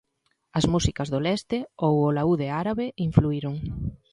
As músicas do leste, ou o laúde árabe, influíron.